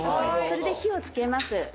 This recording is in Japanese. それで火をつけます